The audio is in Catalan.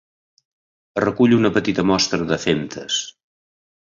Es recull una petita mostra de femtes.